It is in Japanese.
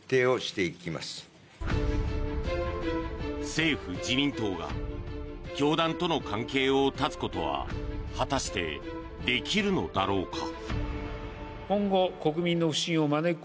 政府・自民党が教団との関係を断つことは果たして、できるのだろうか。